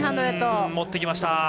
持ってきました。